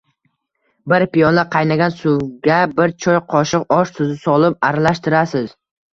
Bir piyola qaynagan suvga bir choy qoshiq osh tuzi solib aralashtirasiz.